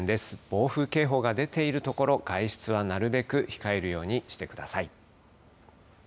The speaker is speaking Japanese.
暴風警報が出ている所、外出はなるべく控えるようにしてください。